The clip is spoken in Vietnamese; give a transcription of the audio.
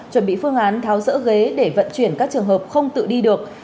chuẩn bị phương án tháo rỡ ghế để vận chuyển các trường hợp không tự đi được